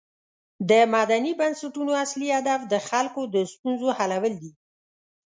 د مدني بنسټونو اصلی هدف د خلکو د ستونزو حلول دي.